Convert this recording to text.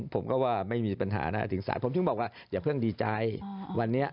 ผมถึงบอกว่าอย่าเพิ่งดีใจ